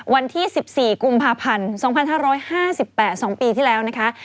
วันที่๑๔กุมภาพันธ์๒๕๕๘๒ปีที่แล้วนะคะ